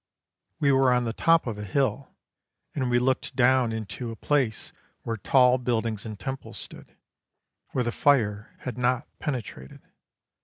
We were on the top of a hill, and we looked down into a place where tall buildings and temples stood, where the fire had not penetrated.